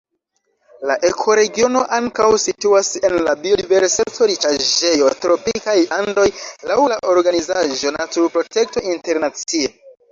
La ekoregiono ankaŭ situas en la biodiverseco-riĉaĵejo Tropikaj Andoj laŭ la organizaĵo Naturprotekto Internacie.